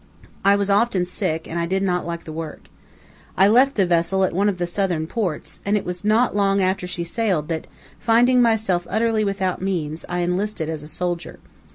I was often sick, and did not like the work. I left the vessel at one of the Southern ports, and it was not long after she sailed that, finding myself utterly without means, I enlisted as a soldier.